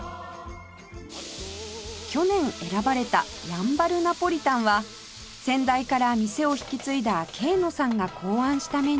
去年選ばれたやんばるナポリタンは先代から店を引き継いだ慶野さんが考案したメニュー